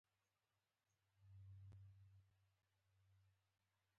د سلطنت لپاره غوره کړ.